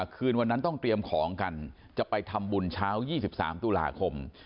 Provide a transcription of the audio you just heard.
คืนวันนั้นต้องเตรียมของกันจะไปทำบุญเช้า๒๓ตุลาคม